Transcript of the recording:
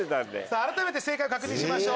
改めて正解を確認しましょう。